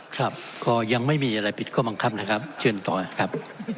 ครับก็ยังไม่มีอะไรผิดข้อบังคับนะครับเชิญต่อครับ